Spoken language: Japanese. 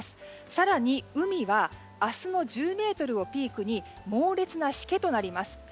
更に、海は明日の１０メートルをピークに猛烈なしけとなります。